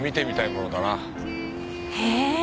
へえ！